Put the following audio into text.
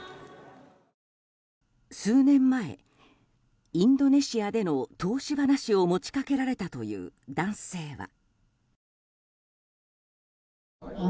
数年前、インドネシアでの投資話を持ち掛けられたという男性は。